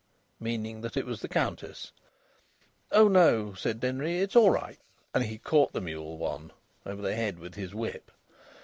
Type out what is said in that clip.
Meaning that it was the Countess. "Oh no," said Denry, "it's all right." And he caught the mule "one" over the head with his whip.